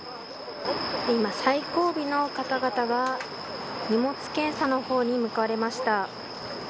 今、最後尾の方々が荷物検査の方に向かわれました。